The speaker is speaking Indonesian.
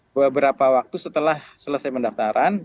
beberapa waktu setelah selesai pendaftaran